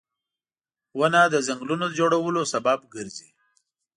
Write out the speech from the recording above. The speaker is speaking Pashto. • ونه د ځنګلونو د جوړولو سبب ګرځي